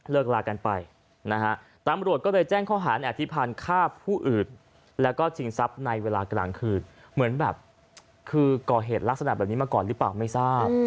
ลากันไปนะฮะตำรวจก็เลยแจ้งข้อหารอธิพันธ์ฆ่าผู้อื่นแล้วก็ชิงทรัพย์ในเวลากลางคืนเหมือนแบบคือก่อเหตุลักษณะแบบนี้มาก่อนหรือเปล่าไม่ทราบ